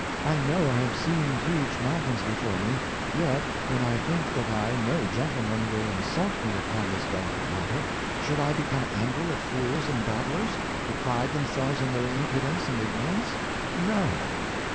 I know I have seen huge mountains before me, yet, when I think that I know gentlemen will insult me upon this delicate matter, should I become angry at fools and babblers, who pride themselves in their impudence and ignorance? No.